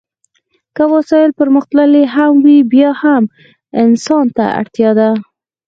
که وسایل پرمختللي هم وي بیا هم انسان ته اړتیا ده.